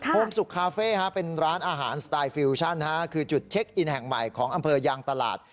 โมสุกคาเฟ่เป็นร้านอาหารสไตล์ฟิวชั่นคือจุดเช็คอินแห่งใหม่ของอำเภอยางตลาด